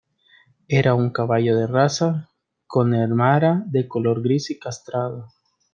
Era un caballo de raza connemara de color gris y castrado.